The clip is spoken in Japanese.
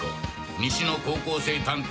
西の高校生探偵